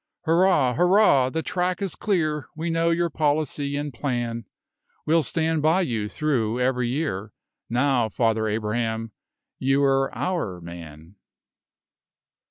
Hurrah! hurrah! the track is clear, We know your policy and plan; We'll stand by you through every year; Now, Father Abraham, you're our man.